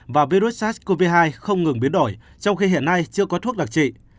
và virus sars cov hai không ngừng biến đổi trong khi hiện nay chưa có thuốc đặc trị